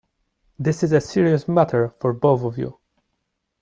This is a serious matter for both of you.